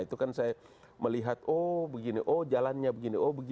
itu kan saya melihat oh begini oh jalannya begini oh begini